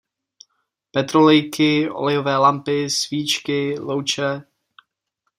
Petrolejky, olejové lampy, svíčky, louče...